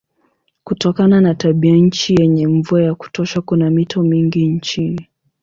Kutokana na tabianchi yenye mvua ya kutosha kuna mito mingi nchini.